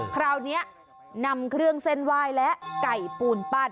คราวนี้นำเครื่องเส้นไหว้และไก่ปูนปั้น